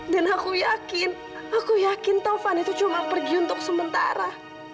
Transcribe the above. dan aku yakin aku yakin tuhan itu cuma pergi untuk sementara